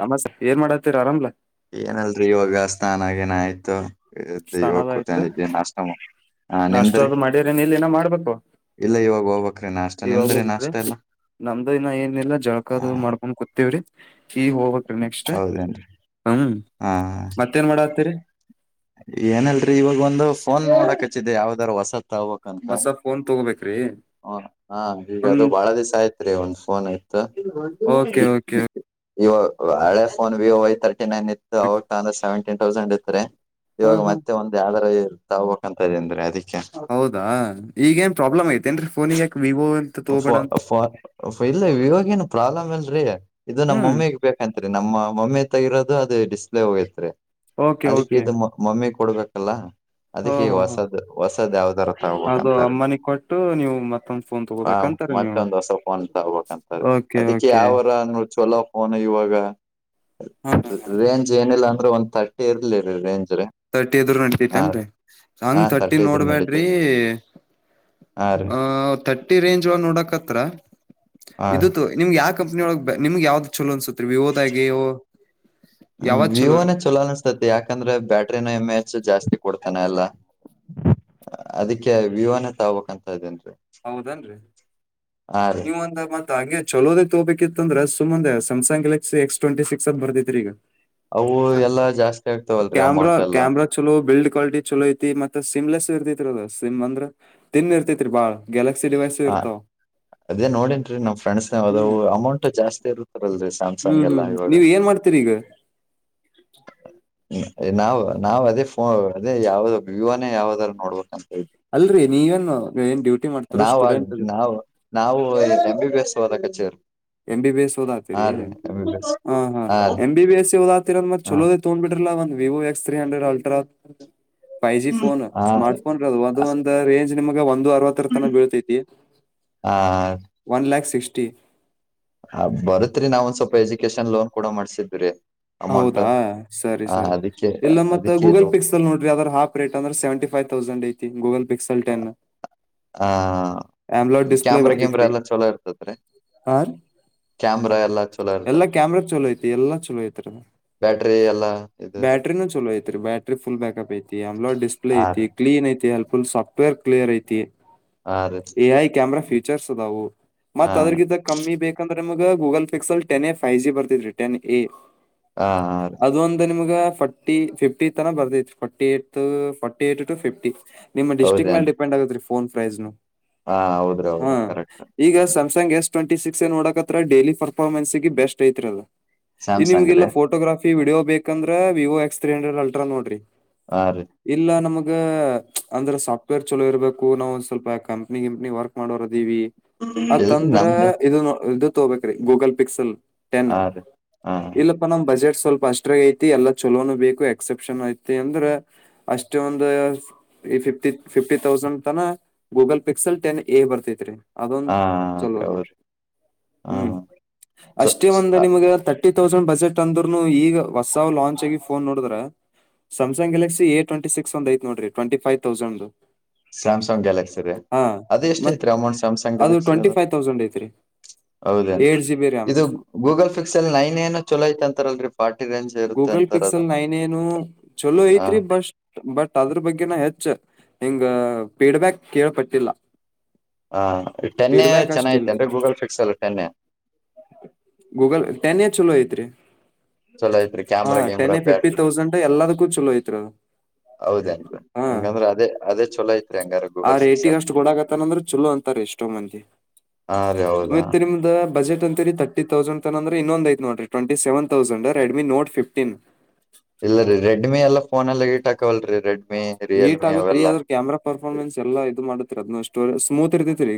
ನಮಸ್ತೆ ಏನ್ ಮಾಡತ್ತೀರ ಆರಾಮ್ ಏನಲ್ರರಿ ಇವಾಗ ಸ್ನಾನಾಗೀನ ಆಯ್ತು ಇದ್ದ ಇವಾಗ ಕೂತೇ ಇದೇ ನಸ್ಟ ನಸ್ಟ ಅದ ಮಾಡಿದ್ರೇ ಇಲ್ಲ ಇನ್ನ ಮಾಡ್ಬೇಕು ಇಲ್ಲ ಇವಾಗ ಹೋಗಬೇಕ್ರೀ ನಷ್ಟ ಇವಾಗ ನಿಮ್ದ್ರ ಹೋಗ್ಬೇಕ್ರಿ ನಸ್ಟ ಎಲ್ಲ ನಮ್ದು ಇನ ಏನ ಇಲ್ಲ ಜಳ್ಳಕ ಹ ಅದು ಮಾಡ್ಕೊಂಡ್ ಕುತ್ತಿವಿ. ಈಗ ಹೋಗ್ಬೇಕ್ ನೆಕ್ಸ್ಟ್ ಹೌದೇನ್ರಿ ಹ್ಮ ಹಾ ಮತ್ತೇನ್ ಮಾಡತ್ತರಿ. ಏನಲ್ರರಿ ಇವಾಗ ಒಂದು ಫೋನ್ ನೋಡಕ್ ಹಚ್ಚಿದೆ ಯಾವದಾರೂ ಹೊಸ ಹೊಸ ಫೋನ್ ತಗೋಬೇಕ್ರಿ ಹೂ ಹಾ ಈಗ ಅದು ಒಂದ್ ಬಾಳ ದಿವಸ ಆಯ್ತ್ರಿ ಒಂದ್ ಫೋನ್ ಆಯತ ಓಕೆ ಓಕೆ ಇವ ಹಳೆ phone Vivo I thirty nine ಇತ್ತು ಅವಾಗ ಅಂದ್ರೆ ಸೆವೆಂಟೀನ್ ತೌಸಂಡ್ ಇತ್ರಿ ಹಾ ಇವಾಗ ಹಾ ಮತ್ತೆ ಒಂದ್ ಯದರ ಈ ತಗೋಬೇಕಂತ ಅದಿನ್ರಿ ಅದಿಕ್ಕೆ ಹೌದಾ ಈಗೇನ್ ಪ್ರಾಬ್ಲಮ್ ಐತೆೇಏನ್ರೀ ಫೋನ್ ಈಗಾಕ ವಿವೋ ಪೊ ತಗೋಬೇಡ ಅಂತ ಪೋನ್ ಇಲ್ಲ ಇವಾಗೇನು ಪ್ರಾಬ್ಲಮ್ ಇಲ್ ರಿ ಇದು ಹ್ಮ್ ನಮ್ಮಮ್ಮಿ ಗೆ ಬೇಕತ್ರಿ ನಮ್ಮ ನಮ್ಮ ಮಮ್ಮಿ ತಗಿರೋದು ಅದು ಡಿಸ್ಪ್ಲೇ ಹೋಗತ್ರಿ ಓಕೆ ಅದಕ್ಕೆ ಓಕೆ ಇದು ಮಮ್ಮಿ ಕೊಡ್ಬೇಕಲ್ಲ ಹಾ ಅದಕ್ಕೆ ಹಾ ಹಾ ಹೊಸದ್ ಹೊಸದ್ ಯಾವ್ದರ ಅದು ತೋಗಬೇಕಂತಾರೆ ಅಮ್ಮನಿಗೆ ಕೊಟ್ಟು ನೀವು ಮತ್ತೊಂದ್ ಫೋನ್ ಹ ತಗೋಬೇಕಂತಾರ ನೀವು ಮತ್ತೊಂದ್ ಹೊಸ ಫೋನ್ ತಗಬೇಕಂತ ಓಕೆ ಅದಕ್ಕೆ ಓಕೆ ಯಾವರ ಚಲೋ ಫೋನ್ ಇವಾಗ ಹಾ ಹಾ ರೇಂಜ್ ಏನಿಲ್ಲ ಅಂದ್ರೆ ಒಂದ ತಥರ್ಟಿ ಇರ್ಲಿ ರೀ ರೇಂಜ್ ರೀ ತರ್ಟಿ ಅದ್ರ ಹ ನಂಟೈತೆನ್ರಿ ಹಾ ಹಂಗ ತರ್ಟಿ ಇದ್ರ ನಡೀತು ನೋಡ್ಬ್ಯಾಡ್ರಿ ಹಾ ರೀ ಆಹ ತರ್ಟಿ ರೇಂಜ್ ಒ ನೋಡಕ್ತ್ರ ಹಾ ರೀ ಇದುತ್ತು ನಿಮ್ಗೆ ಯಾವ ಕಂಪ್ನಿ ಒಳಗ್ ನಿಮ್ಗೆ ಯಾವ್ದ್ ಚಲೋ ಅನ್ಸತ್ರಿ ವಿವೋದಾಗೋ ಮ್ಮ್ ವಿವೋನೇ ಚೊಲೋ ಅನ್ಸ್ತತಿ ಯಾಕಂದ್ರೆ ಬ್ಯಾಟ್ರಿನ ಎಮ್ ಎಚ್ ಜಾಸ್ತಿ ಕೊಡ್ತೇನ ಎಲ್ಲಾ ಅದಕ್ಕೆ ವಿಹಾನ ತಗಬೇಕಕ್ಂತ ಇದೇನ್ರಿ ಹೌದನ್ರಿರಿ ರೀ ನೀವಂದ ಮತ್ತ ಹಂಗೆ ಚಲೋದೇ ತಗೋಬೇಕಿತ್ತ ಅಂದ್ರೆ ಸುಮ್ಮನೆ ಹಸ ಸ್ಯಾಮ್ಸಂಗ್ ಗ್ಯಾಲಕ್ಸಿ ಎಸ್ ಟ್ವೆಟಿ ಸಿಕ್ಸ್ ಅ ಬರ್ದಿದೀ ಈಗ ಅವು ಎಲ್ಲಾ ಜಾಸ್ತಿ ಆಗ್ತಾವಲ್ರರಿ ಕ್ಯಾಮ್ರಾ ಅಮೌಂಟ್ ಎಲ್ಲಾ ಕ್ಯಾಮ್ರಾ ಚಲೋ ಬಿಲ್ಡ್ ಕ್ವಾಲಿಟಿ ಚಲೋ ಐತಿ ಮೆ ಸಿಮ್ಲೆಸ್ ಇರ್ತೈತ್ರಿ ಅದು ಸಿಮ್ ಅಂದ್ರೆ ತಿನ್ ಇರ್ತೈತ್ರಿ ಬಾಳ್ ಗ್ಯಲಕ್ಸಿ ಡಿವೈಸ ಹ ಇರ್ತವ ಅದೇ ನೋಡನ್ರೀ ನಮ ಫ್ರೆಂಡ್ಸ್ ನಾವದವು ಅಮೌಂಟ್ ಜಾಸ್ತಿ ಇರುತ್ತಾರಲ್ರರಿ ಹ್ಮ್ ಸ್ಯಾಮ್ಸಂಗ್ ಎಲ್ಲಾ ಹ್ಮ್ ಇವಾಗ ನೀವ್ ಏನ್ ಮಾಡ್ತೀರಿ ಈಗ ನಾವ್ ನಾವ್ ಅದೇ ಫೋ ಅದೇ ಯಾವ್ದ ವಿವೋನೇ ಯಾವದಾರ ನೋಡ್ಬೇಕಂತ ಅಲ್ರರಿ ನೀವೇನ್ ಏನ್ ಡ್ಯೂಟಿ ಮಾಡ್ತಾರೋ ಸ್ಟೂಡೆಂಟ್ ಅದ ನಾವು ನಾವು ಏಮ್ ಬಿ ಬಿ ಏಸ್ ಹೋದ ಕತ್ತೀರಿ ಎಂ ಬಿ ಬಿ ಎಸ್ ಓದಾತಿರಿ ಬಿ ಎಸ್ ಹ ಹಾ ಎಂ ಬಿ ಎಸ್ ಸಿ ಓದಾತಿರ ಅಂದ ಮತ್ ಹಾ ಚಲೋದೇ ತೋಗೊಂಡ್ಬಿಟ್ರ ಒಂದು Vivo X three hundred ultra five G phone smart ಫೋನ್ದು ಒಂದಂದು ಒಂದ ರೇಂಜ್ ಈಗ ಒಂದು ಅರವತ್ತರ ತನ ಬೀಳ್ತೈತಿ ಹಾ ಒನ್ ಲ್ಯಾಕ್ ಸಿಕ್ಸ್ಟಿ ಹ ಬರತ್ರಿ ನಾವ ಒಂದ್ ಸ್ವಲ್ಪ ಎಜುಕೇಶನ್ ಲೋನ್ ಕೂಡ ಮಾಡ್ಸಿದ್ ರಿ ಹೌದಾ ಸರಿ ಸರಿ ಅದಕ್ಕೆ ಇಲ್ಲ ಮತ್ತೆ ಅದಕ್ಕೆ ಗೂಗಲ್ ಇದು ಪಿಕ್ಸ್ ಅಲ್ಲಿ ನೋಡ್ರಿ ಅದ ಹಾಫ ರೇಟ್ ಅಂದ್ರೆ ಸೆವೆಂಟಿ ಫೈವ್ ತೌಸಂಡ್ ಐತಿ ಗೂಗಲ್ ಪಿಕ್ಸಲ್ ಟನ್ ಆ ಆಂಬ್ಲಯಡ್ ಡಿಸ್ಪ್ಲೇ ಕ್ಯಾಮ್ರಾ ಗಿಮ್ರಾ ಬರ್ತತ್ರಿ ಎಲ್ಲ ಚಲೋ ಇರ್ತತ್ರಿ ಹ ರೀ ಕ್ಯಾಮ್ರಾ ಎಲ್ಲಾ ಚಲೋ ಇರ್ತದ ಎಲ್ಲಾ ಕ್ಯಾಮ್ರಾಗ ಚಲೋ ಐತಿ ಎಲ್ಲಾ ಚಲೋ ಐತ ಬ್ಯಾಟ್ರಿ ಎಲ್ಲ ಬ್ಯಾಟ್ರ ನನು ಚಲೋ ಐತ್ರಿ ಬ್ಯಾಟ್ರನೂ ಚಲೋ ಬ್ಯಾಕ್ಪ್ ಐತಿ ಅಮ್ಡ್ ಡಿಸ್ಪ್ಲ ಹಾ ರೀ ಐ ಕ್ಲೀನ್ ಐತಿ ಹೆಲ್ಪ್ಫುಲ್ ಸಾಫ್ಟ್ವೇರ್ ಕ್ಲಿಯರ್ ಐತಿ ಹಾ ರೀ ಎ ಐ ಕ್ಯಾಮರಾ ಫೀಚರ್ಸ್ ಅದವು ಹಾ ಮತ್ತತ್ ಅದ್ರಗಿ ಕಮ್ಮಿ ಬೇಕಂದ್ರೆ ನಿಮಗ Google Pixel ten A five G ಬರ್ತಿದ್ರೀ ಟೆನ್ ಎ ಹಾ ಹಾ ರೀ ಅದು ಒಂದು ನಿಮ್ಗ್ ಈಗ ಫೋರ್ಟಿ ಫಿಫ್ಟಿ ತರ ಬರ್ದೈತ್ತು ಫಾರಟಿ ಏ ಫಾರಟಿ ಏ ಟು ಫಿಫ್ಟಿ ನಿಮ್ಮ ಡಿಸ್ಟಿಕ್ ಮೇಲೆ ಹೌದೇನ್ ಡಿಪೆಡ್ ಆಗೆ ರ ಫೋನ್ ಪ್ರೈಸ್ನು ಹಾ ಹೌದ್ರಿ ಹೌದು ಕರೆಕ್ಟ್ ಗ ಎಸ್ ಟ್ವೆಟಿ ಸಿಕ್ಸ್ ನೋಡಕತ್ರ ಡೈಲಿ ಪರ್ರ್ಮೆನ್ಸ್ಗೆಗೆ ಬೆಸ್ಟ್ ಐತ್ರಲ್ಲ ಸ್ಯಾಮ್ಸಂಗ್ ರೀ ಫೋಟೋಗ್ರಾಫಿ ವಿಡಿಯೋ ಬೇಕಂದ್ರೆ Vivo X three hundred ultra ನೋಡ್ರಿ ಹಾ ರೀ ಇಲ್ಲ ನಮ ಈಗ ಅಂದ್ರೆ ಸಾಫ್ಟ್ವೇರ್ ಚಲೋ ಇರಬೇಕು ನಾವುಂದ ಸ್ವಲ್ಪ ಕಂಪ್ನಿ ಗಿಂಪನಿ ವರ್ಕ್ ಮಾಡೋರದಿವವಿ ಇಲ್ರಿ ಅದತ್ಂದ್ರ ನಮ್ದ ಇದು ಇದು ತೊಬೇಕೇರಿ ಗೂಗಲ್ ಪಿಕ್ಸಲ್ ಆ ಹ ಬಜೆಟ್ ಸ್ವಲ್ಪ ಅಷ್ಟ್ರ ಐತಿ ಎಲ್ಲ ಚಲೋನು ಬೇಕು ಎಕ್ಸೆಪ್ಷನ್ ಐತಿ ಅಂದ್ರೆ ಅಷ್ಟ ಒಂದು ಈ ಫಿಫ್ಟಿ ಫಿಫ್ಟಿ ತೌಸಂಡ್ ತನ ಗೂಗಲ್ ಪಿಕ್ಸಲ್ ಟೆನ್ ಎ ಬರ್ತತ್ ರರಿ ಅದೊಂದು ಹಾ ಚಲೋ ನೋಡಿಿ ಹೌದು ಹಾ ಹ್ಮ್ ಅಷ್ಟೇ ಒಂದು ನಿಮಗೆ ತಟ್ಟ ತಟ್ಟಿ ತೌಸಂಡ್ ಬಜೆಟ್ ಅಂದ್ರರುನು ಈಗ ಹೊಸ್ ಲಾಂಚ್ ಆಗ ಫೋನ್ ನೋಡಿದ್ರೆ ಸ್ಯ್ಸಂಗ್ಗೆಲಕ್ಸಿ ಎ ಟ್ವೆಟಿ ಸಿಕ್ಸ್ ಒಂದ ಐತೆ ನೋಡ್ರ twenty five thousand Samsung Galaxy ರೀ ಹಾ ಅದ ಎಷ್ಟ್ ಮತ್ ಐತ್ರಿ ಅಮೌಂಟ್ ಸ್ಯಾಮ್ಸಂಗ್ ಗ್ಯಾಲಕ್ಸಿ ಟ್ವೆಂಟಿ ಅದು ಫೈವ್ ತೌಸಂಡ್ ಐತ್ರಿ ಹೌದೇ ಏಟ್ ಜಿ ಬಿ ರ್ಯಾಮ್ ಇದು ಗೂಗಲ್ ಫಿಕ್ಸ್ ಅಲ್ಲಿ ನೈನ್ ಏನು ಚಲೋ ತಂತ ಗೂಗಲ್ ಪಿಕ್ಸೆಲ್ ನ ನೈನ್ ಏ ನು ಚಲೋ ಹಾ ಐತ್ರಿ ಬ ಬಟ್ ಅದ್ರ ಬಗ್ಗೆನ ಹೆಚ್ಚ ಹಿಂಗ ಫೀಡ್ಬ್ಯಾಕ್ ಕೇಳ್ಪಟ್ಟಿಲ್ಲ ಹ ಟೆನ್ನೇ ಫೀಡ್ಬ್ಯಾಕ್ ಅಷ್ಟ ಚೆನ್ನೈತೆ ಇಲ್ರಿ ಅನ್ರಿ ಗೂಗಲ್ ಫಿಕ್ಸ್ ಅಲ್ಲಿ ಟೆನ್ನೇ ಗೂಗಲ್ ಟೆನ್ ಎಏರ್ ಚಲೋ ಐತ್ರಿ ಚಲೋ ಐತ್ರಿ ಹ ಕ್ಯಾಮ್ರಾ ಟೆನ್ ಗಿಮ್ರಾ ಬ್ಯಾಟ್ರಿ ಫಿಫ್ಟಿ ತೌಸಂಡ್ ಎಲ್ಲದಕ್ಕೂ ಚಲೋ ಐತ್ದು ಹೌದನ್ ಹಂಗಂದ್ರ ಅದೇ ಅದೇ ಚಛಲೋ ಐತ್ರಿ ಹಂಗಾರ್ ಆ ರೇಟಿಗ ಅಷ್ಟು ಗೋಡ ಆಗತ್ತನಂದ್ರೆ ಚಲೋ ಅಂತಾರೆ ಎಷ್ಟೋ ಮಂದಿ ಹಾ ರೀ ಹೌದಾ ಮತ್ ನಿಮ್ದ ಬಜೆಟ್ ಅಂತರಿ ತರ್ಟಿ ತೌಸಂಡ್ ತ ಇನ್ನೊಂದ ಐ ನೋಡರಿ twenty seven thousand Redmi Note fifteen ಇಲ್ಲ ರೀ ರೆಡ್ಮಿ ಎಲ್ಲ ಫೋನ್ ಎಲ್ಲ ಇಟ್ಟಾಕವಲ್ರರಿ ಹೀಟ್ ಆಗತ್ರಿ ಅದ್ರ ಕ್ಯಾಮ್ರಾ ಪರ್ಫಾರ್ಮೆನ್ಸ್ ಎಲ್ಲಾ ಇದು ಮಾಡತ್ರಿ ಅದ್ನಷ್ಟೋ ಸ್ಮೂತ್ ಇರ್ತಿೈತ್ರಿೀ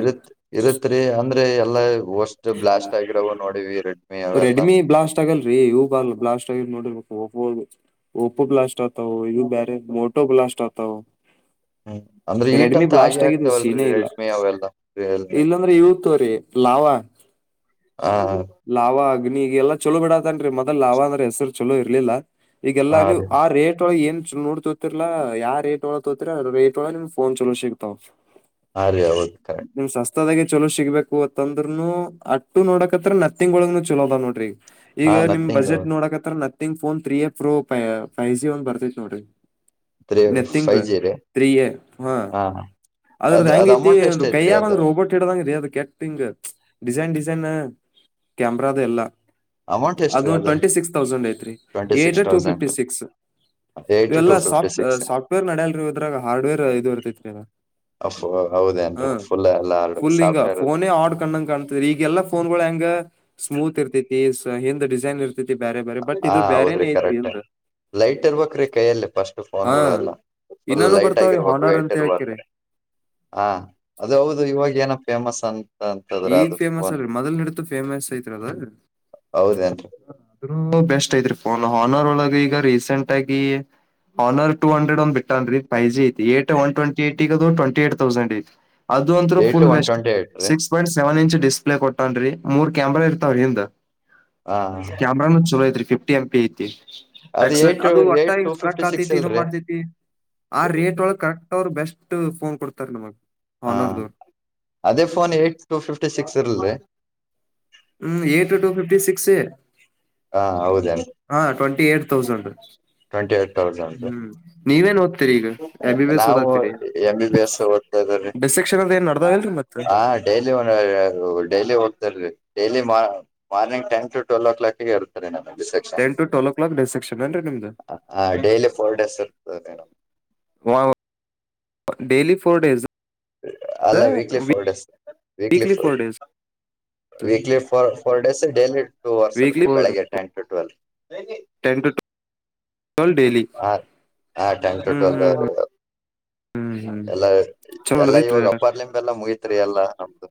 ಇರುತ್ ಇರುತ್ರಿ ಅಂದ್ರೆ ಎಲ್ಲಾ ವಸ್ಟ್ ಬ್ಲಾಸ್ಟ್ ಆಗಿರವು ನೋಡಿವಿ ರೆಡ್ಮಿ ಅವೆಲ್ಲಾ ರೆಡ್ಮಿ ಬ್ಲಾಸ್ಟ್ ಆಗಲ್ರರಿ ಇವು ಬ ಬ್ಲಾಸ್ ನೋಡಿರ್ಬೇಕು ಓಪೋ ಒಓಪೋ ಬ್ಲಾಸ್ಟ್ ಆಗ್ತವು ಇದು ಬ್ಯರೆ ಮೋಟೋ ಬ್ಲಾಸ್ಟ್ ಆಗ್ತಾವ [inaudible] ಹ್ಮ್ ಅಂದ್ರೆ ಈಟ್ ಅಂತ ಹಾಗೆ ಆಗಿದ್ ಸೀನೇ ಆಗ್ತವಲ್ರರಿ ಇಲ್ಲ ರೆಡ್ಮಿ ಅವೆಲ್ಲ ರಿಯಲ್ಮಿ ಇಲ್ಲಾಂದ್ರೆ ಇವು ತೋರಿ ಲಾವಾ ಹ ಹ ಆಾಗ ನೀಗೆಲ್ಲ ಚಲೋ ಬಿಡದನ್್ರ ಮೊದಲ್ ಲಾವ ಅಂದ್ರ ಹೆಸರು ಚಲೋ ಇರ್ಲಿಲ್ಲ ಈಗೆಲ್ಲಾ ಹಾ ನೀವು ರೀ ಆ ರೇಟ್ ಒಳಗೆ ಏನ್ ನೋಡ್ ತೋತಿರ್ಲ್ಲಾ ಯಾ ರೇಟ್ ಒಳ ತೋತಿರ ಅ ರೇಟ್ ಒಳ ನಿಮ್ ೋನ್ ಚಲೋ ಸಿಗ್ತಾವ್ ಹ ರ ಅವತ್ತು ಕ ಹತ್ತದೆ ಚಲೋ ಸಿಗ್ಬೇಕು ಅತ್ತಂದ್ನು ಅಟ್ಟು ನೋಡಕತ್ರ ನತಿಿಂಗ ಒಳಗ್ನು ಚಲೋ ಅದ ನೋಡ್ರಿ ಹಾ ಈಗ ನಿಮ್ ನಥಿಂಗ್ ಬಜೆಟ್ ನೋಡಕತ್ರ ್ ಫೋನ್ ತ್ರೀ ಎ ಪ್ರೋೈ್ ಜಿ ಒಂದ್ ಬರ್ತೈತ್ ನೋಡ್ರಿ ತ್ರೀ ನೆತಿಂಗ ಫೈವ್ ಜಿ ರೀ ಸ್ೀಯ ಹಾ ಅದ್ರದ ಅದ್ ಹೆಂಗ ಅದ್ ಐತಿ ಅಮೌಂಟ್ ಎಷ್ಟ ಒ ಐತ್ರಿ ಕೈ್ಯಾಗ ಒಂದ್ ಅದು ರೋಬೋಟ್ ಹಿಡದಂಗ ರರಿ ಅದ ಕೆಟ್ಟ ಹಿಂಗ ಡಿಸೈನ್ ಡಿಸೈನ್ ಕ್ಯಾಮ್ರ ಅದು ಎಲ್ಲ ಅಮೌಂಟ್ ಅದು ಎಷ್ಟ್ರೀ ಟ್ವೆಂಟಿ ಸಿಕ್ಸ್ ತೌಸಂಡ್ ಐತ್ರಿ ಟ್ವೆಂಟಿ ಏ six to fifty thousand six eight to ಇವೆಲ್ಲಾ ಫಿಫ್ಟಿ ಸಾಫ್ಟ್ ಸಿಕ್ಸ್ ಸಾಫ್ಟ್ವೇರ್ ನಡ್ಯಲ್ರಿ ಉದ್ರಾಗ ಹಾರ್ಡ್ವೇರ್ ಇದು ಇರ್ತೈತ್ರಿೀಗ ಅಫ್ ಹೌದೇನ್ರಿ ಹ್ಮ ಫುಲ್ ಎಲ್ಲ ಸಾಫ್ಟ್ವೇರ್ ಫುಂಗ ನೇ ಆಡ್ ಕಣ ಕಾಣ ಈಗಲ್ಲಾ ಫೋನ್ ಹೆಂಗ ಸ್ಮೂತ್ ಇರ್ತೈತಿ ಹ ಡಿಸೈನ್ ಇರ್ ಸ್ಥಿತಿ ಬೇರೆ ಬೇರೆ ಬಟ್ ಹಾ ಇದು ಬೇರೆೇ ಹೌದ್ರಿ ಐತ್ರಿ ಕರೆಕ್ಟ್ ಎಲ್ ಲೈಟ್ ಇರ್ಬೇಕ್ರೀ ಕೈಯಲ್ಲಿ ಪಫಸ್ಟ್ ಫೋನ್ ಗಳ ಎಲ್ಲ ಫುಲ್ ಇನ್ನಾನು ಲೈಟ್ ಬರ್ತಾವ್ರಿ ಆಗಿರ್ಬೇಕು ಹಾನರ್ ವೈಟ್ ಅಂತ ಹೇಳ್ಕಿರಿ ಇರ್ಬಂದ್ರೆ ಹ ಅದ ಹೌದು ಇವಾಗ ಏನಪ್ಪ ಫೇಮಸ್ ಅ ಈಗ್ ಫೇಮಸ್ ಅಲ್ರಿ ಮೊದಲ್ ನಡತು ಫೇಮಸ್ ಐತ್ ಅದ ಹೌದೇನ್ರಿ ಬೆಸ್ಟ್ ಐ್ರರಿ ಫೋನ್ ಹನರ್ ಒಳಗ ಈಗ ರೀಸೆಂಟ್ ಆಗಿ ಆನರ್ ಟೂ ಹಂಡ್ರೆಡ್ ಒಂದ್ ಬಿಟ್ಟನ್ೀ ೈ ಜಿ ಐ ಏಟ್ ಒನ್ ಟ್ವೆಂಟ ಏಗ ಟ್ಂಟಿ ಏಟ್ ತೌಸಂಡ್ ಐತ್ ಅದು ಅಂತರುೂ ಏಟ್ ಫುಲ್ ಒನ್ ವಸ್ಟ್ ಟ್ವೆಂಟಿ ಏಟ್ ರೀ six point seven inch display ಕೊಟ್ಟನ್ೀ ಮೂರ್ ಕ್ಯಾಮ್ರಾ ಇರ್ತಾವ ಹಿಂದ್ ಹಾ ಕ್ಯಾಮ್ರಾನು ಚಲೋ ಐತ್ರಿ ಫಿಫ್ಟಿ ಎಂ ಪಿ ಐತಿ ಎಕ್ಟ್ ಏಟ್ ಅದು ಒಟ್ಟ ಏಟ್ ಟು ಫಿಫ್ಟಿ ಸರಕ್ ಸಿಕ್ಸ್ ಆತೈತಿ ಇದ ಇಲ್ರಿ ಮಾಡ್ತೈತಿ ಆ ರೇಟ್ ಒಳಗ್ ಕರೆಕ್ಟ್ ಅವರು ಬೆಸ್ಟ್ ಫೋನ್ ಕೊಡ್ತಾರ ನಮಗ್ ಹಾ ಆನರ್ದವರು ಅದೇ phone eight two fifty six ಇರರಿ ಹ್ಮ್ ಏ ಟು ಟು ಫಿಫ್ಟಿ ಸಿಕ್ಸ್ ಹಾ ಹೌದೇನ್ರಿ ಹಾ twenty eight thousand twenty eight thousand ಹ್ಮ್ ನೀವೇನ್ ಓದ್ತೀರಿ ಈಗ ಎ್ ಬಿ ಬಿ ಎಸ್ ಓದಾ್ತಿೀರಿ ಹ ಡೈಲಿ ಒ ಡೈಲಿ ಹೋಗ್ತಾರೀ ಡೈಲಿ ಮಾರ್ ಮಾರ್ಿಂಗ್ ಟನ್ ಟ್ವೆಲ್ವ ಕ್ಲಾ ಗ ಇರುತ್ತಾರೆ ನಮವು ten to twelve o'clock dissection ಏನ್ರಿ ನಿಮ್ದು ಹ ಡೇಲಿ ಫೋರ್ ಡೇಸ್ ಇರ್ತಮ್ ೇಲಿ ಅಲ್ಲ weekly food weekly four food days weekly ಫೋ four days daily two hours ಇರುತ್ತ ರೀ ಬೆಳಗ್ಗೆ ಟೈನ್ ಟ ಟ್ವೆಲ್ ಟೆನ್ಟು ಆ ಹ್ಮ್ ಟ್ಯಾಂಕ್ಟೋಟಲ್ದ ಹ್ಮ್ ಹ್ಮ್ ಹ್ಮ್ ಹ್ಮ್ ಎಲ್ಲ ಚಲೋ ಎಲ್ಲಾ ನಡದೈತ್ರಿ ಇವಾಗ ಅದ. ಅಪ್ಪಾರ್ಲಿಂಬೆಲ್ಲಾ ಮುಗತ್ರಿ ಎಲ್ಲಾ ನಮ್ದು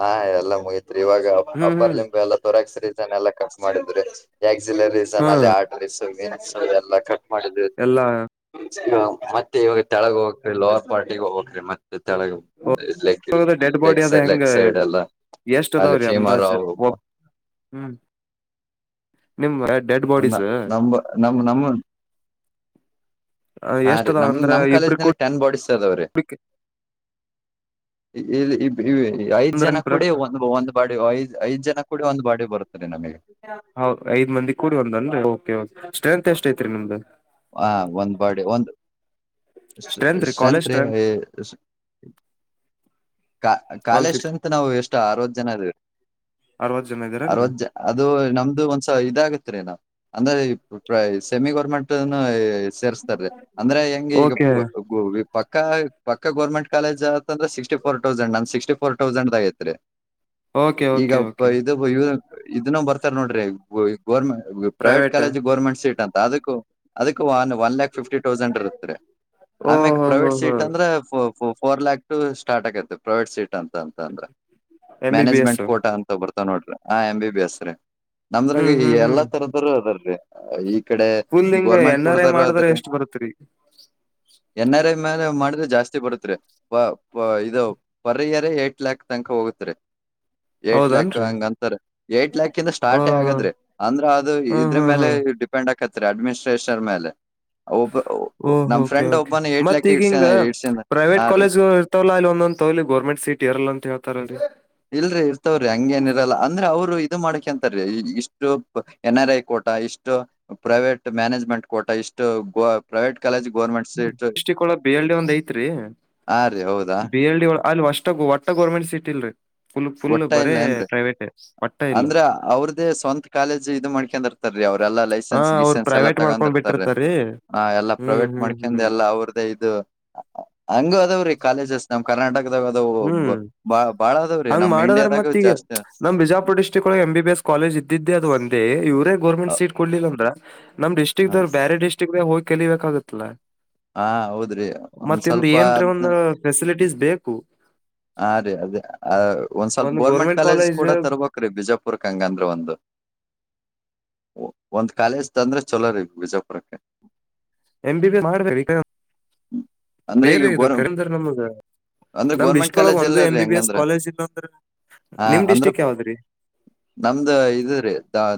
ಹಾ ಎಲ್ಲಾ ಮುಗತ್ರಿ ಇವಾಗ ಹ್ಮ್ ಅಪ್ಪರ್ ಹ್ಮ್ ಲಿಂಬ ಎಲ್ಲಾ ತೊರಾಕ್ಸ್ರಿ ಕಟ್ ಮಾಡಿದ್ರೆ ಎಕ್ಲಸ್ ಹಾ ಅಲ್ಲಿ ಆಡ್ರೀಸ್ ಮೀನ್ ಎಲ್ಲ ಕ ಮಾಡ ಎಲ್ಲಾ ಮತ್ತೆ ಇವಾಗ ತೆಳಗ ಹೋಗಕ್ರಿ ಲೋವರ್ ಪಾರ್ಟಿಗ ಹೋಗಕ್ರಿ ಮತ್ತೆ ಳ ಲೆ dead leg side leg side ಎಲ್ಲ ಇಷ್ಟರ ಅಲ್ಲಿ ಫೀಮರ್ ಎಂದಚ ಒ ಹ್ಮ್ ನಿಮ್ಮ್ ನ ನಮ್ಮ ನಮ್ಮ ಹಾ ಎಷ್ಟ ರೀ ಅದಾವ ನಮ ಅಂದ್ರ ನಮ್ ಕಾಲೇಜ್ ಇಬ್ರು ಕೂಡ ನಲ್ಲಿ ಟೆನ್ ಬಾಡಿಸಸ್ ಅದವ್ರೀ ಇ ಐದ್ ಜನ ಅಂದ್ರ ಕೂಡ ಒಂದ ಒಂದ ಬಾ ಐದ್ ಐದ್ ಜನ ಕೂಡ ಒಂದು ಬಾಡಿ ಬರುತ್ತೆ ಹೌ ಐದ್ ಮಂದಿ ಕೂಡಿ ಒಂದನ್ರಿ ಸ್ಟ್ರೆಂತ್ ಎಷ್ಟ ಐತ್ರಿ ನಿಮ್ದ ಹ ಒಂದು ಬರ್ಡೆ ಒಂದು ಸ್ಟ್ರೆಂತ್ ರಿ ಕ ಒನ್ ಕಾಲೇಜ್ ಫಿಫ್ಟಿ ಅಂತ ನಾವು ಎಷ್ಟು ಅರವತ್ತು ಜನರ ಅರವತ್ ಜನ ಇದ್ದೀರೇನ್ರಿ ಅರವತ್ ಜ ಅದು ನಮ್ದು ಒಂದ್ಸ ಇದಾಗತ್ರಿ ನ ಅಂದ್ರೆ ಸೆಮಿ ಗೌರ್ಮೆಂಟ್ನು ಸೇರಿಸತಾರ ಅಂದ್ರೆ ಹೆಂಗ ಈಗ ಓಕೆ ಪಕ್ಕ ಪಕ್ಕ ಗೋರ್ಮೆಂಟ್ ಕಾಲೇಜ್ ಅಂದ್ರ ಸಿಕ್ಸ್ಟಿ ಫೋ ತೌಸಂಡ್ ನ್ ಸಿಕ್ಸ್ಟ ಫೋರ್ ತೌಸಂಡ್ ಆಗಐತ್ರಿ ಓಕೆ ಓಕೆ ಈಗಪ್ಪ ಓಕೆ ಇ ಇವ ಇದನ್ನ ಬರ್ತಾರ ನೋಡ್ರಿ gourmet private college government seat ಅಂತ ಅದಕ್ಕೂ ಅದಕ್ one one lakh fifty thousand ಇರುತ್ತರಿ ಓ ಆಮ್ಯಕ್ ಹೋ ಹೋ ಪ್ರೈವೇಟ್ ಹೋ ಸೀಟ್ ಅಂದ್ರೆ ಫೋರ್ ಲ್ಯಾಕ್ ಟ ಸ್ಟಾರ್ಟ್ ಆಗೈತಿ ಪ್ರೈವೇಟ್ ಸೀಟ್ ಅಂತ ಅಂತ ಅಂದ್ರೆ M B B S management quota ಅಂತ ಬರ್ ನೋಡ್ರಿ ಹ ಎ್ ಬಿ ಬಿ ಎಸ್ ರೀ ನಮ್ದ್ರಾಗ ಹ್ಮ್ ಹ್ಮ್ ಹ್ಮ್ ಎಲ್ಲಾ ತರದರು ಅದಾರೀ ಈ ಇ ಕಡೆ ಹ ಗೋರ್ಮೆಂಟ್ ಎನ್ ಆರ್ ಐ ಕೊಡದಾರ ಮಾಡುದ್ರೆ ಎಷ್ಟ್ ಬರುತ್ರಿ ಎನ್ರ್ ಮೇಾಲ ಮಾಡಿದ್ರೆ ಜಾಸ್ತಿ ಬಡತ್ರಿ ಇದು ರ ಏಟ್ ಲ್ಯಾಕ್ ತನಕ ಹೋಗುತ್ತೆ ಏಟ್ ಲ್ಯಾಕ್ ಹೌದನ್ರಿ ಹಂಗಂತಾರ ಏಟ್ ಲಾಕ್ ಹ ಸ್ಟಾರ್ಟೇ ಆಗದ್ರಿ ಹಾ ಅಂದ್ರ ಅದು ಇದ್ರ ಹಾ ಹಾ ಮೇಲೆ ಡಿಪೆಂಡ್ ಹಾಕತ್ರಿ ಅಡ್ಮಿನಿಸ್ಟ್ರೇಷನ್ ಮೇಲೆ ಒಬ್ಬ ಓಹ ನಮ್ ಕೆ ಫ್ರೆಂಡ್ ಓಕೆ ಒಬ್ಬನ ಏಟ್ ಮತ್ತ ಲ್ಯಾಕ್ ಇಡ್ಸ ಈಗಿಂಗ ಇಡ್ಸನ್ ಹಾ ಪ್ರೈವೇಟ್ ರೀ ಕಾಲೇಜ್ ಇರ್ತವಲ್ಲಾ ಇಲ್ಲ ಒದ ತಗಲಿ ಗರ್ಮೆಂಟ್ ಸೀಟ್ಏರಲ್ಲ ಅಂತ ಹೇಳ್ತಾರಲ್ರಿ ಇಲ್ರಿ ಇರ್ತವ್ರಿ ಹಂಗೇನಿರಲ್ಲ ಅಂದ್ರೆ ಅವ್ರು ಇದು ಮಾಡಕಂತ ಇಷ್ಟು ಎನ್ ಆರ್ ಐ ಕೋಟ ಇಷ್ಟು ಪ್ರೈವೇಟ್ ಮ್ಯಾನೇಜ್ಮೆಂಟ್ ಕೋಟ ಇಷ್ಟು ಗೋ ಪ್ರಟ್ ದೃಷ್ಟಕ್ ಒಳ ಬಿಹಳ್ಳಿ ಒಂದ್ ಐತ್ರಿ ಹಾ ರೀ ಹೌದಾ ಬಿಹಲ್ಳ್ಳಿ ಒಳ ಅಲ್ ಅಷ್ಟ ಒಟ್ಟ ಗೋರ್ಮೆಂಟ್ ಸೀಟ್ ಇಲ್ರರಿ ಒಟ್ಟ ಇಲ್ಲ ಅಂದ್ರಿ ಒಟ್ಟ ಇಲ್ಲ ಅಂದ್ರ ಅವ್ರ್ದೇ ಸ್ವಂತ ಕಾಲೇಜ್ ಇದು ಮಾಡ್ಕರ್ತ ಅವ್ರಲ್ಲ ಹಾ ಲೈಸೆನ್ಸ್ ಅವ್ರು ಗಿಸಸೆನ್ ಎಲ್ಲ ಪ್ರೈವೇಟ್ ಮಾಡ್ಕೊಂಡ್ ತಗೊಂಡಿರ್ತೀ ಬಿಟ್ಟಿರ್ತಾರೀ ಹ ಎಲ್ಲಾ ಹ್ಮ್ ಪ್ರೈವೇಟ್ ಹ್ಮ್ ಮಾಡ್ಕಿಂದ ಹ್ಮ್ ಎಲ್ಲಾ ಅವ್ರದ ಇದು ಹಂಗು ಅದವ್ರಿ ಕಾಲೇಜಸ್ ನಮ ಕರ್ನಾಟಕದಾಗ ಅದು ಬ ಬಹಳ. ಹಂಗ ಮಾಡದ್ರೆ ಮತ್ತ ಈಗ ನಮ್ ಬಿಜಾಪುರ್ ಡಿಸ್ಟ್ರಿಕ್ ಒಳಗೆ ಎಂ ಬಿ ಎಸ್ ಕಾಲೇಜ್ ಇದ್ದಿದ್ದೆ ಅದು ಒಂದೇ ಇವ. ಗರ್ಮೆಂಟ್ ಅ- ಸೀಟ್ ಕೊಡ್ಲಿಲ್ಲ ಅಂದ್ರೆ. ನಮ್ ಡಿಸ್ಟಿಕ್ ದಗ್ ಹೋಗಿ ಕಲಿಬೇಕಾಗತ್ತಲ್ಲ. ಹಾ ಹೌದ್ರಿ ಒಂದ್ ಮತ್ತ್ದ ಸ್ವಲ್ಪ ಏನ್ರ ಅದ್ನ ಒಂದು ಫೆಸಿಲಿಟೀಸ್ ಬೇಕು. ಹಾ ರೀ ಅದೇ ಒಂದ್ ಸ್ವಲ್ಪ ಗೋರ್ಮೆಂಟ್ ಕಾಲೇಜ್ ಕೂಡ ತರ್ಬೇಕ್ ಬಿಜಾಪುರ್ಕ್ ಹಂಗ ಅಂದ್ರ ಒಂದು. ಒಂದ್ ಕಾಲೇಜ್ ತಂದ್ರೆ ಚಲೋ ರೀಗ ಬಿಜಾಪುರಕ್ಕೆ. ಎಮ ಬಿ ಬಿ ಮಾಡ್ಬೇಕೇ ಈ. ಅಂದ್ರೆ ಬೇರೆ ಈಗ ಇದು ಗೋರ್ ನಮಗ ಅಂದ್ರೆ ನಮ್ದ ಗೋರ್ಮೆಂಟ್ ಇಷ್ಟ. ಳಗ್ ಕಾಲೇಜ್ ಒಂದು ಎಲ್ಲ ರೀ ಎಂಬ ಬಿ ಎಸ್ ಹಂಗಂದ್ರ ಕಾಲೇಜ್ ಇಲ್ಲ ಅಂದ್ರೆ ನಿಮ್ ಡಿಸ್ಟ್ರಿಕ್ ಯಾವ್ದ್ರೀ. ನಮ್ದ್ ಇದ ರೀ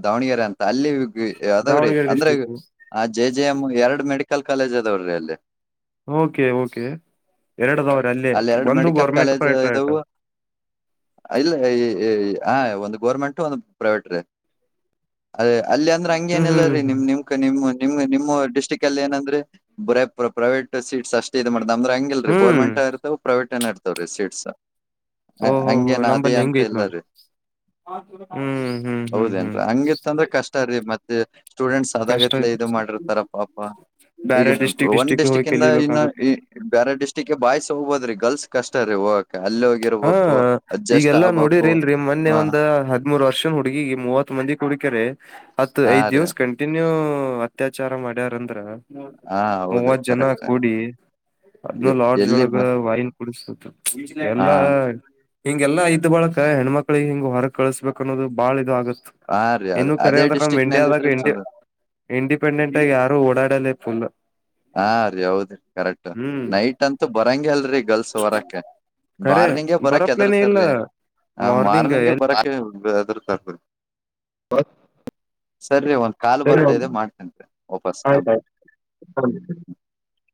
ದಾವಣಗೆರಿ. ಅಲ್ಲಿದಾವ್ರೀ ದಾವಣಗೆರೆ ಅಂದ್ರೆ ಡಿಸ್ಟಿಕ್ ಆ ಜೆ ಜೆ ಎಮ ಎರ ಮಡ. [unintelligible] ಮೆಡಿಕಲ್ ಕಾಲೇಜ್ ಅದಾವ ರೀ ಅಲ್ಲಿ. ಓಕೆ ಓಕೆ ಎರಡದವ್ರ ಅಲ್ಲೇಂದು. ಅಲ್ಲಿ ಎರಡ್ ಮೆಡಿಕಲ್ ಕಾಲೇಜ್ ಇವು ಇಲ್ಲ. ಹಾ ಒಂದು ಗೋರ್ಮೆಂಟ್ ಒಂದು ಪ್ರೈವೇಟ್ ರೀ. ಅದೇ ಅಲ್ಲಿ ಅಂದ್ರೆ ಹ್ಮ್ ಅಂಗೇಏನೆ ಎಲ್ಲ ಹ್ಮ್ ರೀ ನಿಮ್ ಹ್ಮ್ ನಿಮ್ ನಿಮ್. ನಿಮ್ ನಿಮ್ಮ ಡಿಸ್ಟ್ರಿಕ್ ಅಲ್ಲಿ ಏನಂದ್ರೆ ಬರ ಪ್ರೈವೇಟ್ ಸೀಟ್. ಅಷ್ಟ ಇ ಮಾಡ್ದ ಅ್ರ ಹಂಗಲ್ ರೀ ಹ್ಮ್ ಗರ್ಮಂಟ್ ಇರ್ತವ ಪ್ರೈವೇಟನ ಇರ್ತವ ರೀಟ್ಸ್. ಓಹೋ ಹಂಗೇನ ಅದೇ ನಂಬಲ್ಲಿ ಅಂತ ಹೆಂಗ ಐತ್ ನೋಡ್ರಿ ಇಲ್ಲರಿ. ಹ್ಮ್ ಹ್ಮ್ ಹ್ಮ್ ಹೌದೇನ್ ಹ್ಮ್ ಹಂಗಿತ್ತ ಅಂದ್ರೆ ಕಷ್ಟರೀ ಮತ್ತೆ ಸ್ಟೂಡೆಂಟ್ಸ್ ಕಷ್ಟ ಅಾಗತ್ಲ. ಇದು ಐತ್ರಿ ಸ ಮಾಡಿರ್ತಾರಪ್ಪಾಪಾ. ಈಗ ಬೇರೆ ಡಿಸ್ಟಿಕ್ ಒಂದ್ ಡಿಸ್ಟಿಕ್ ಹೋಗಿ ಡಿಸ್ಟ್ರಿಕ್ ಇಂದ ಇನ್ನು ಕಲಿಬೇಕಾಗತ್ತೆ ಬೇರೆ ಡಿಸ್ಟ್ರಿಕ್ಗೆ ಬಾಯ್ಿಸಿ ಹೋಗ್ಬೋದ್ರ ಈಗ. ಗರ್ಲ್ಸ್ ಕಷ್ಟ ರೀ ವಾಕ್. ಹಾ ಈಗೆಲ್ಲಾ ನೋಡಿರಿ ಆಗ್ಬೇಕು ಇಲ್ರಿ ಮೊನ್ನೆ ಹಾ ಒಂದ್ ಹದ್ಮೂರ್ ವರ್ಷನ್ ಹುಡುಗಿ ಈ ಮೂವತ್ ಮಂದಿ ಹುಡುಗಿ ಹತ್ ಹಾ ಐದ್ ರೀ ದಿವಸ ಕಂಟಿನ್ಯೂ ಅತ್ಯಾಚಾರ ಮಾಡ್ಯಾರಂದ್ರ. ಹಾ ಹೌದ್ರಿ ಮೂವತ್ ಜನ ಕರೆಕ್ಟ್ ಕೂಡಿ ಅದ್ನಲ್ ಎಲ್ಲಿ ಆಡ್ಜೊಳಗ ಬ- ವೈನ್ ಕುಡಿಸತ. ಹಾ ಎಲ್ಲಾ. ಹಿಂಗೆಲ್ಲಾ ಇದ್್ದ ಬಳಕ ಹೆಣ್ಮಕ್ಳಿಗೆ ಹಿಂಗ ಹೊರಗೆ ಕಳಿಸಸ್ಬೇಕಕ್ ಅನ್ನೋದು ಬಾಳ ಇದು ಆಗುತ್ತೆ. ಹಾ ರೀ ಅದ್ ಇನ್ನು ಕರೆ ಅದೇ ಅಂದ ನಮ್ ಡಿಸ್ಟಿಕ್ ನಲ್ಲಿ ಇಂಡಿಯಾದಾಗ ಇದ್ರೆ ಇಂಡ ಚಲೋ ಇಂಡಿಪೆಂಡೆಂಟ್ ಆಗಿ ಯ. ರು ಓಡಾಡಲ್ಲೇ ಫುಲ್. ಹಾ ರೀ ಹೌದ್ರಿ ಕರೆಕ್ಟ್ ಹ್ಮ್ ನೈಟ್ ಅಂತೂ ಬರಂಗ ಅಲ್ರಿ ಗರ್ಲ್ಸ್ ವರಕ್ಕೆ. ಖರೆ ಮಾರ್ನಿಂಗಗೆ ಬರಕ್ ಬರಪ್ಲೇನೇ ಇಲ್ಲ ಹೆದರ್ತಾರೀ ಆ ಮಾರ್ನಿಂಗ್ ಮಾರ್ನಿಂಗಗೆ ಎ ಬರಕ್ಕೆ ಹೆದರ್ತಾರೀ. [unintelligible] ಸರಿರಿ ಒಂದ್ ಕಾಲು ಸರಿ ಬರ್ತಾ ಇದೆ ಮಾಡ್ತೇನ್ರಿ ವಾಪಸ್ ಆ. [unintelligible]